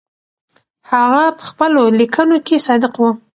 هغه په خپلو لیکنو کې صادق و.